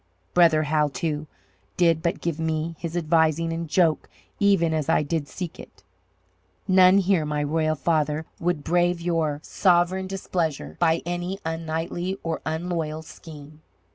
Brother Hal too, did but give me his advising in joke even as I did seek it. None here, my royal father, would brave your sovereign displeasure by any unknightly or unloyal scheme."